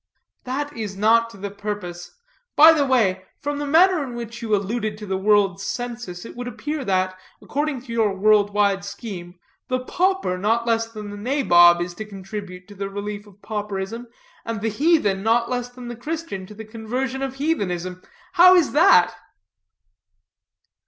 "That is not to the purpose. By the way, from the manner in which you alluded to the world's census, it would appear that, according to your world wide scheme, the pauper not less than the nabob is to contribute to the relief of pauperism, and the heathen not less than the Christian to the conversion of heathenism. How is that?"